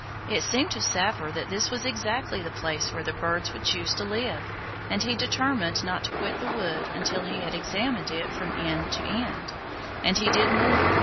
It seemed to Saphir that this was exactly the place where the birds would choose to live, and he determined not to quit the wood until he had examined it from end to end. And he did more.